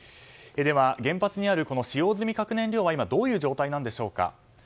では、原発にある使用済み核燃料は今、どういう状態なんでしょうか。